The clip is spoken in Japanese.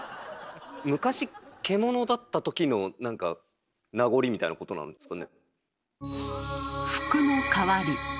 昔獣だった時の何か名残みたいなことなんですかね？